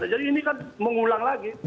jadi pak oso sendiri akan melakukan apa